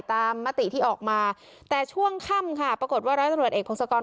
มติที่ออกมาแต่ช่วงค่ำค่ะปรากฏว่าร้อยตำรวจเอกพงศกร